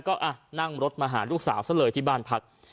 ก็นั่งรถมาหาลูกสาวซะเลยที่บ้านพัก